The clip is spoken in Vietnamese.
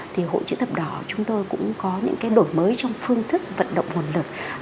thì hội chữ thập đỏ chúng tôi cũng có những đổi mới trong phương thức vận động nguồn lực